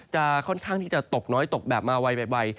ค่อนข้างที่จะตกน้อยตกแบบมาไว